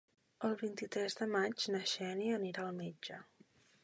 El vint-i-tres de maig na Xènia anirà al metge.